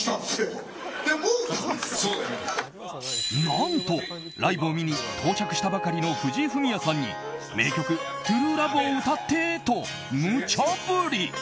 何とライブを見に到着したばかりの藤井フミヤさんに名曲「ＴＲＵＥＬＯＶＥ」を歌ってとむちゃ振り。